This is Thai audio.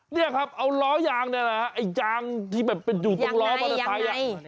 เนี่ยครับเอาล้อยางเนี่ยนะไอ้ยางที่แบบเป็นอยู่ตรงล้อมอเตอร์ไซค์